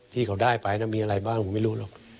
ที่เขาได้ไปมีอะไรบ้างผมไม่รู้หรอก